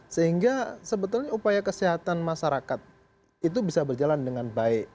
sehingga sebetulnya upaya kesehatan masyarakat itu bisa berjalan dengan baik